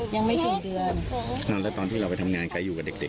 ยังไม่ถึงเดือนแล้วตอนที่เราไปทำงานใครอยู่กับเด็กเด็ก